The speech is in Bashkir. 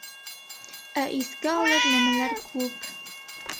Ә иҫкә алыр нәмәләр күп.